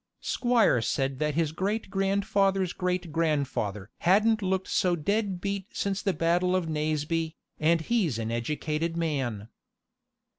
Squire said that his great grandfather's great grandfather hadn't looked so dead beat since the battle of Naseby, and he's an educated man.